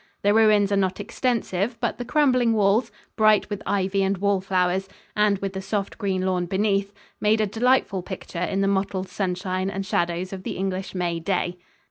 The ruins are not extensive, but the crumbling walls, bright with ivy and wall flowers, and with the soft green lawn beneath, made a delightful picture in the mottled sunshine and shadows of the English May day.